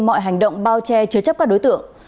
mọi hành động bao che chứa chấp các đối tượng